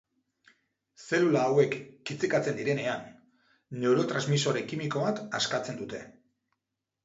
Zelula hauek kitzikatzen direnean, neurotransmisore kimiko bat askatzen dute.